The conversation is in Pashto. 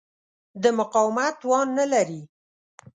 د مقاومت توان نه لري.